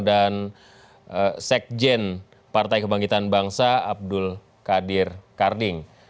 dan sekjen partai kebangkitan bangsa abdul kadir karding